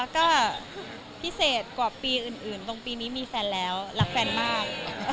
ก็พิเศษกว่าปีอื่นตรงปีนี้มีแฟนแล้วรักแฟนมาก